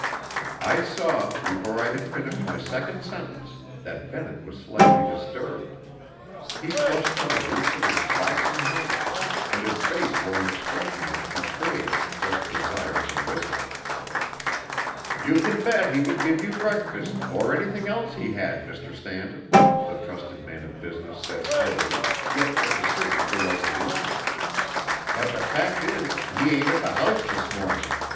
I saw before I had finished my second sentence that Bennett was slightly disturbed. He flushed to the roots of his flaxen hair, and his face wore an expression which betrayed a suppressed desire to whistle. "You can bet he would give you breakfast, or anything else he had, Mr. Stanton," the trusted man of business said heartily, yet with a certain irresolution. "But the fact is, he ain't at the house this morning.